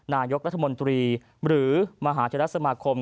นายกรัฐมนตรีหรือมหาเทรสมาคม